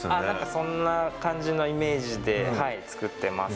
そんな感じのイメージで作ってます。